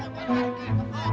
aku juga selalu nolong siapa aja